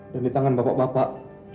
dan di tangan bapak bapak